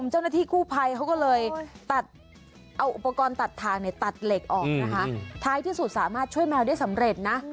เอาอุปกรณ์ตัดทางและตัดเหล็กออกทายสูตรสามารถช่วยแมวได้สำเร็จ